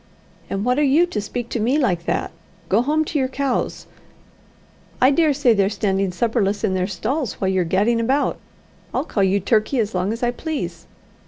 "And what are you to speak to me like that? Go home to your cows. I dare say they're standing supperless in their stalls while you're gadding about. I'll call you Turkey as long as I please."